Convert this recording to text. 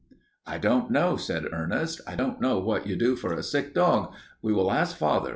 "I don't know," said Ernest. "I don't know what you do for a sick dog. We will ask father.